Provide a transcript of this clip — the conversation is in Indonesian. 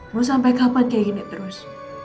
mau sampai kapan kayak gini terus